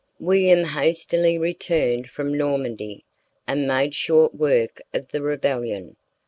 ] William hastily returned from Normandy, and made short work of the rebellion.